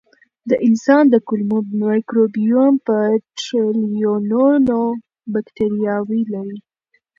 د انسان د کولمو مایکروبیوم په ټریلیونونو بکتریاوې لري.